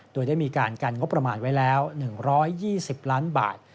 โดยได้มีการกันงบประมาณไว้แล้ว๑๒๐ล้านบาท